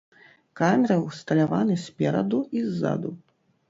Камеры ўсталяваны спераду і ззаду.